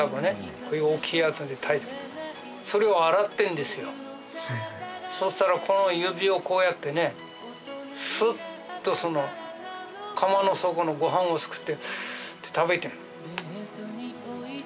こういう大きいやつで炊いてたそれを洗ってんですよそしたらこの指をこうやってねすっとその僕はその時ねへええっ？